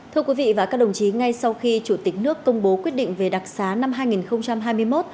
thưa quý vị và các đồng chí ngay sau khi chủ tịch nước công bố quyết định về đặc xá năm hai nghìn hai mươi một